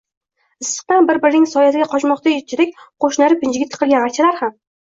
issiqdan bir-birining soyasiga qochmoqchidek qoʼshnilari pinjiga tiqilgan archalar ham